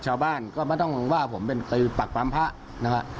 ชาวบ้านก็ไม่ต้องว่าผมเป็นปากปรามพระนะครับ